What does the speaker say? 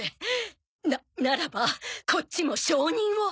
なならばこっちも証人を。